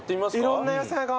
いろんな野菜が。